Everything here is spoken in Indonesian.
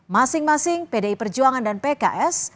masing masing pdi perjuangan dan pks